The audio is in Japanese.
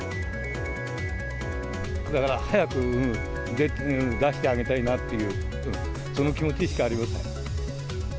だから、早く出してあげたいなっていう、その気持ちしかありません。